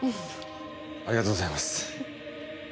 ありがとうございます。